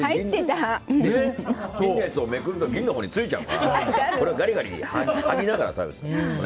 銀のやつをめくると銀のやつについちゃうからガリガリはぎながら食べてた。